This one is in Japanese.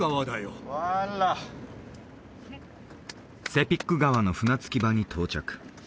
セピック川の船着き場に到着